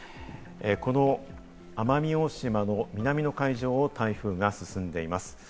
この奄美大島の南の海上を台風が進んでいます。